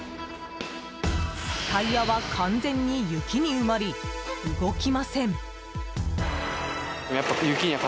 タイヤは完全に雪に埋まり動きません。